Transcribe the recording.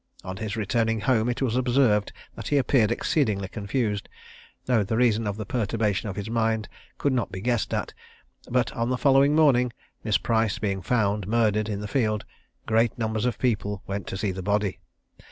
On his returning home it was observed that he appeared exceedingly confused, though the reason of the perturbation of his mind could not be guessed at; but, on the following morning, Miss Price being found murdered in the field, great numbers of people went to see the body.